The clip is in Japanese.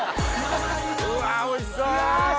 うわおいしそう！